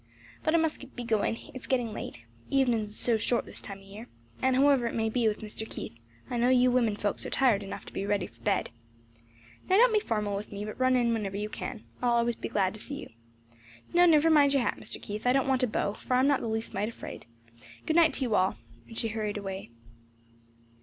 "But I must be going, it's gettin' late; evenins is so short this time o' year and however it may be with Mr. Keith, I know you women folks are tired enough to be ready for bed. "Now don't be formal with me, but run in whenever you can. I'll always be glad to see you. "No, never mind your hat, Mr. Keith, I don't want a beau; for I'm not the least mite afraid. Good night to you all," and she hurried away.